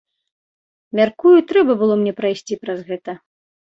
Мяркую, трэба было мне прайсці праз гэта.